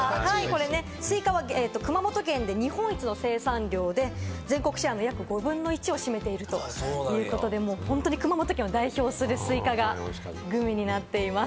すいかは熊本県で日本一の生産量で、全国のシェアの５分の１を占めているということで、熊本県を代表する、すいかがグミになっています。